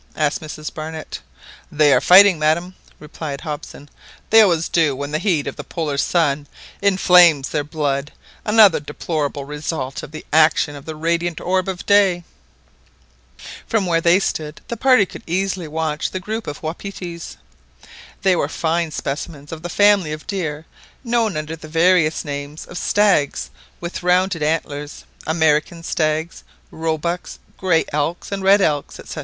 asked Mrs Barnett. "They are fighting, madam," replied Hobson; "they always do when the heat of the Polar sun inflames their blood another deplorable result of the action of the radiant orb of day !" From where they stood the party could easily watch the group of wapitis. They were fine specimens of the family of deer known under the various names of stags with rounded antlers, American stags, roebucks, grey elks and red elks, &c.